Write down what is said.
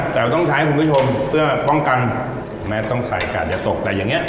แต่เราต้องใช้คุณผู้ชมเพื่อป้องกันแม้ต้องใส่กาดอย่าตกแต่อย่างเงี้